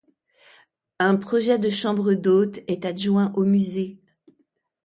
Un projet de chambre d'hôtes est adjoint au musée.